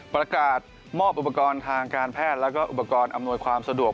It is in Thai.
ประกาศมอบอุปกรณ์ทางการแพทย์แล้วก็อุปกรณ์อำนวยความสะดวก